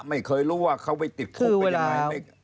ไม่เคยรู้ว่าเค้าไปติดคุกไปยังไง